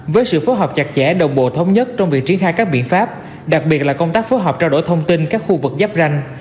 với sự phối hợp chặt chẽ đồng bộ thống nhất trong việc triển khai các biện pháp đặc biệt là công tác phối hợp trao đổi thông tin các khu vực giáp ranh